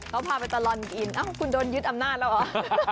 เขาพาไปตลอดกินคุณโดนยึดอำนาจแล้วเหรอ